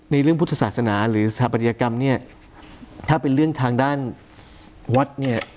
ในเรื่องพุทธศาสนาหรือสถาบัติกรรมถ้าเป็นเรื่องทางด้านวัด